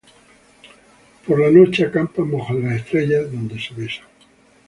Por la noche acampan bajo las estrellas, donde se besan.